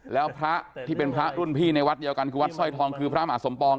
แล้วพระที่เป็นพระรุ่นพี่ในวัดเดียวกันคือวัดสร้อยทองคือพระมหาสมปอง